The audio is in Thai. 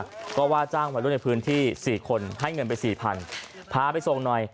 ก็ว่าจ้างไว้ร่วนในพื้นที่สี่คนให้เงินไปสี่พันพาไปทรงหน่อย